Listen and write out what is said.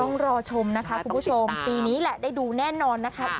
ต้องรอชมนะคะคุณผู้ชมปีนี้แหละได้ดูแน่นอนนะคะ